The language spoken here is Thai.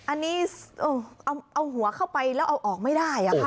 อันนี้เอาหัวเข้าไปแล้วเอาออกไม่ได้ค่ะ